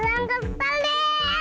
bebek nakal nih